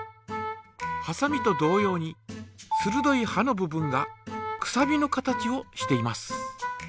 はさみと同様にするどいはの部分がくさびの形をしています。